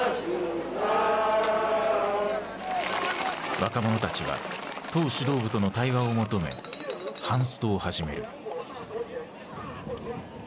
若者たちは党指導部との対話を求めハンストを始める。